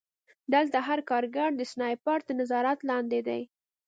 دلته هر کارګر د سنایپر تر نظارت لاندې دی